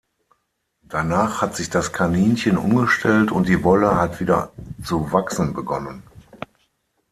Danach hat sich das Kaninchen umgestellt und die Wolle hat wieder zu wachsen begonnen.